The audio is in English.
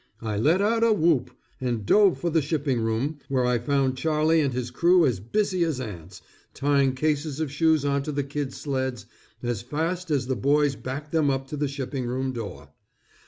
I let out a whoop, and dove for the shipping room, where I found Charlie and his crew as busy as ants, tying cases of shoes onto the kids sleds as fast as the boys backed them up to the shipping room door.